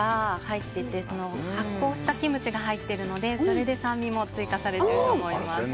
発酵したキムチが入ってるのでそれで酸味も追加されてると思います。